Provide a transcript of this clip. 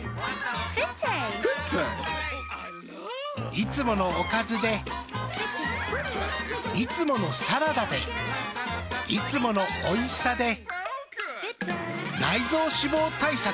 いつものおかずでいつものサラダでいつものおいしさで内臓脂肪対策。